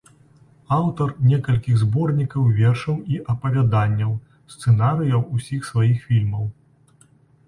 Аўтар некалькіх зборнікаў вершаў і апавяданняў, сцэнарыяў усіх сваіх фільмаў.